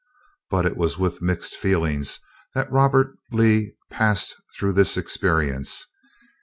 But it was with mixed feelings that Robert Lee passed through this experience.